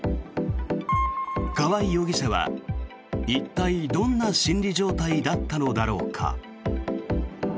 川合容疑者は一体どんな心理状態だったのだろうか。